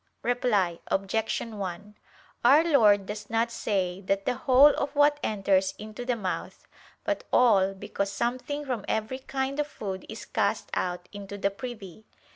Reply Obj. 1: Our Lord does not say that the "whole" of what enters into the mouth, but "all" because something from every kind of food is cast out into the privy.